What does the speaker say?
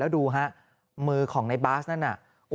ดูฮะมือของในบาสนั่นน่ะ